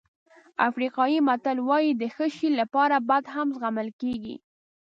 افریقایي متل وایي د ښه شی لپاره بد هم زغمل کېږي.